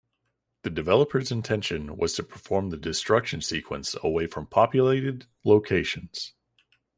The developers' intention was to perform the destruction sequence away from populated locations.